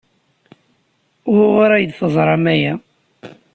Wuɣur ay d-teẓram aya?